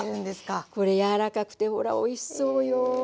これ柔らかくてほらおいしそうよ。